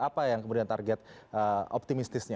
apa yang kemudian target optimistisnya